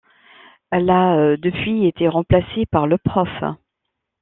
Elle a depuis été remplacé par le Prof.